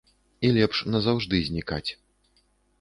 І лепш назаўжды знікаць.